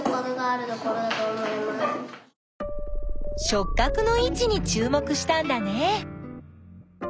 しょっ角の位置にちゅう目したんだね。